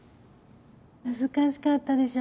難しかったでしょ。